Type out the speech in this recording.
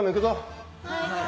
はい。